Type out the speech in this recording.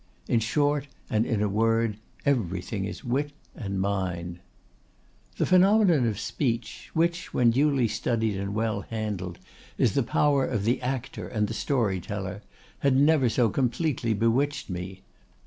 In short, and in a word, everything is wit and mind. The phenomenon of speech, which, when duly studied and well handled, is the power of the actor and the story teller, had never so completely bewitched me.